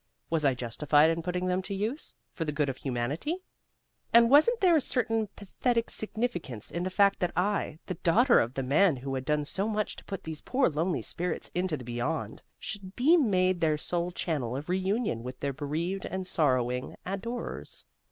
Was I justified in putting them to use, for the good of humanity? And wasn't there a certain pathetic significance in the fact that I, the daughter of the man who had done so much to put these poor lonely spirits into the Beyond, should be made their sole channel of reunion with their bereaved and sorrowing adorers?